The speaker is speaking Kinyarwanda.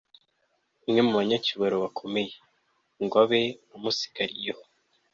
umwe mu banyacyubahiro bakomeye, ngo abe amusigariyeho